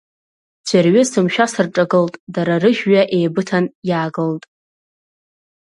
Ӡәырҩы сымшәа сырҿагылт, дара рыжәҩа еибыҭан иаагылт…